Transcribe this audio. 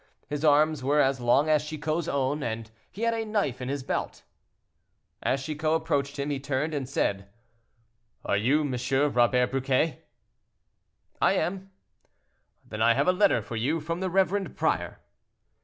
His arms were as long as Chicot's own, and he had a knife in his belt. As Chicot approached, he turned and said, "Are you M. Robert Briquet?" "I am." "Then I have a letter for you from the reverend prior."